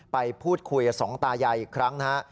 ไปพูดคุยกับสองตายายอีกครั้งนะฮะ